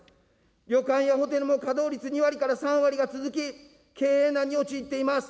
旅館やホテルも稼働率２割から３割が続き、経営難に陥っています。